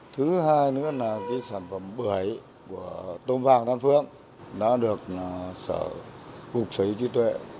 thứ hai nữa là sản phẩm bưởi của tôm vàng đan phượng đã được sở phục sấy trí tuệ